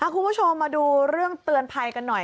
คุณผู้ชมมาดูเรื่องเตือนภัยกันหน่อย